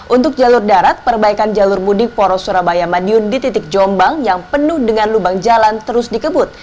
untuk jalur darat perbaikan jalur mudik poros surabaya madiun di titik jombang yang penuh dengan lubang jalan terus dikebut